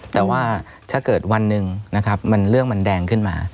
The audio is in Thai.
แต่ว่าถ้าเกิดวันหนึ่งนะครับเรื่องมันแดงขึ้นมา